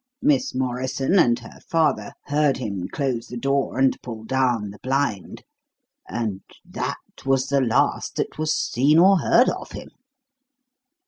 Miss Morrison and her father heard him close the door and pull down the blind, and that was the last that was seen or heard of him.